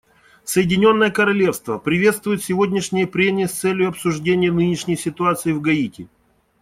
Соединенное Королевство приветствует сегодняшние прения с целью обсуждения нынешней ситуации в Гаити.